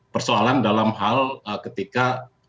persoalan dalam hal ketika